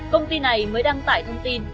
công ty này mới đăng tải thông tin